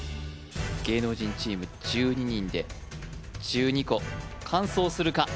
芸能人チーム１２人で１２個完走するか？